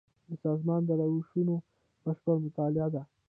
دا د سازمان د روشونو بشپړه مطالعه ده.